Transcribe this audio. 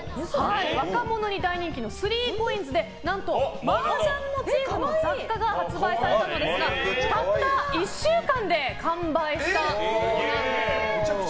若者に大人気の３ＣＯＩＮＳで何と、マージャンモチーフの雑貨が販売されたそうなんですがたった１週間で完売したそうなんです。